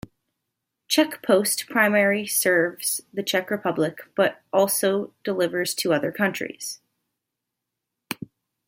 Czech Post primary serves the Czech Republic but also delivers to other countries.